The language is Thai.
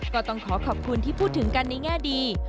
ก็ต้องขอขอบคุณที่พูดถึงกันในแง่ดี